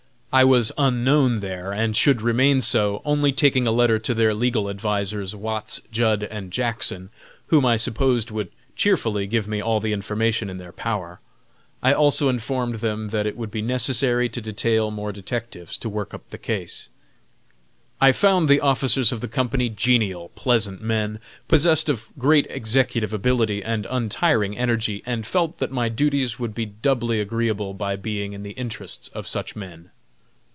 I was unknown there and should remain so, only taking a letter to their legal advisers, Watts, Judd & Jackson, whom I supposed would cheerfully give me all the information in their power. I also informed them that it would be necessary to detail more detectives to work up the case. I found the officers of the company genial, pleasant men, possessed of great executive ability and untiring energy, and felt that my duties would be doubly agreeable by being in the interests of such men.